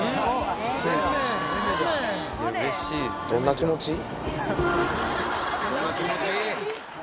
どんな気持ち？